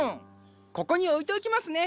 ここに置いておきますね。